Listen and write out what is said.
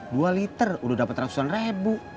dua liter udah dapet ratusan rebu